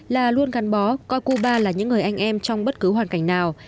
là luôn gắn bó coi cuba là những người anh em trong bất cứ hoàn cảnh nào